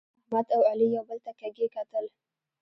احمد او علي یو بل ته کږي کتل.